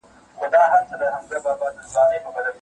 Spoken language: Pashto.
کعبه د ابراهیم راڅخه ورکه سوه خاونده